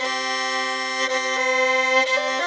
dia sesuai dengansuatu